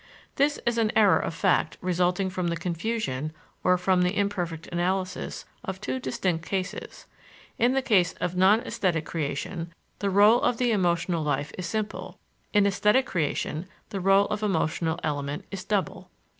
This is an error of fact resulting from the confusion, or from the imperfect analysis, of two distinct cases. In the case of non esthetic creation, the rôle of the emotional life is simple; in esthetic creation, the rôle of emotional element is double.